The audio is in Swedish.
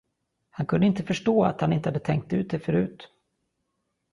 Han kunde inte förstå att han inte hade tänkt ut det förut.